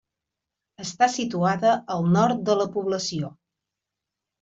Està situada al nord de la població.